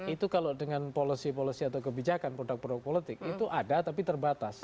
itu kalau dengan policy policy atau kebijakan produk produk politik itu ada tapi terbatas